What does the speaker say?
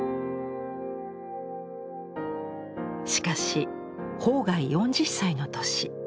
しかし芳崖４０歳の年。